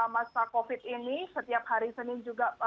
masa covid ini setiap hari senin juga